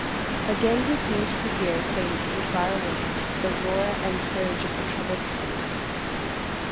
Again he seemed to hear, faint and far away, the roar and surge of the troubled sea.